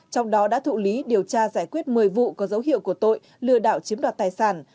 trong đó đã thụ lý điều tra giải quyết một mươi vụ có dấu hiệu của tội lừa đảo chiếm đoạt tài sản